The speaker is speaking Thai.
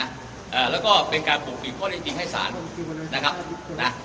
อ่าแล้วก็เป็นการปกปิดข้อได้จริงให้สารนะครับนะ